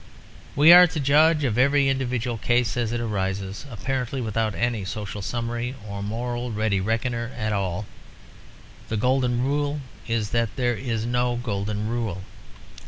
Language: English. We are to judge of every individual case as it arises, apparently without any social summary or moral ready reckoner at all. "The Golden Rule is that there is no Golden Rule."